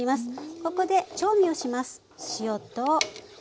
ここで調味をします。